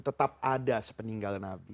tetap ada sepeninggal nabi